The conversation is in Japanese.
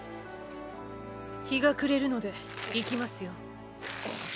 日が暮れるので行きますよ。